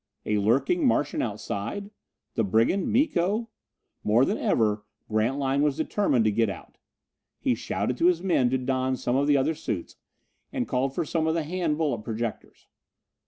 A lurking Martian outside? The brigand, Miko? More than ever, Grantline was determined to get out. He shouted to his men to don some of the other suits, and called for some of the hand bullet projectors.